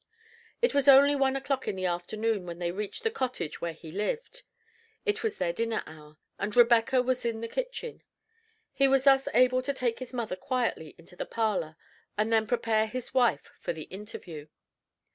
It was only one o'clock in the afternoon when they reached the cottage where he lived. It was their dinner hour, and Rebecca was in the kitchen. He was thus able to take his mother quietly into the parlor, and then prepare his wife for the interview.